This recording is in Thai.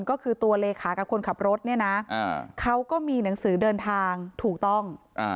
ก็คือตัวเลขากับคนขับรถเนี่ยนะเขาก็มีหนังสือเดินทางถูกต้อง